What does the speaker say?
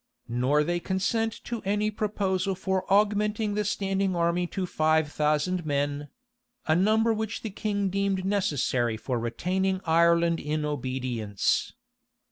Nor they consent to any proposal for augmenting the standing army to five thousand men; a number which the king deemed necessary for retaining Ireland in obedience.